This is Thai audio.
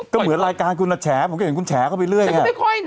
ก็เหมือนรายการกูแบบแฉผมเห็นกูแฉเข้าไปเรื่อยค่ะ